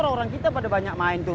orang kita pada banyak main tuh